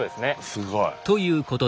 すごい。